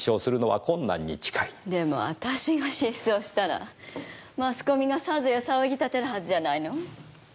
でも私が失踪したらマスコミがさぞや騒ぎ立てるはずじゃないの？